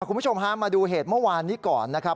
คุณผู้ชมฮะมาดูเหตุเมื่อวานนี้ก่อนนะครับ